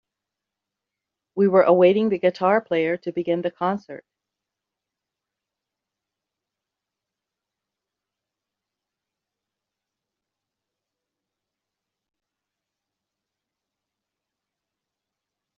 We were awaiting the guitar player to begin the concert.